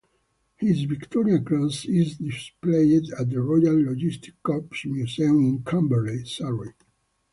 His Victoria Cross is displayed at the Royal Logistic Corps Museum in Camberley, Surrey.